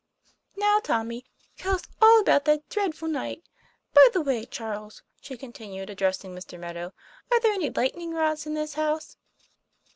"Now, Tommy, tell us all about that dreadful night. By the way, Charles," she continued, ad dressing Mr. Meadow, " are there any lightning rods on this house?"